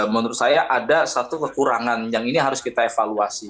menurut saya ada satu kekurangan yang ini harus kita evaluasi